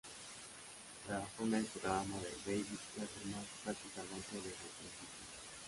Trabajó en el programa de David Letterman prácticamente desde el principio.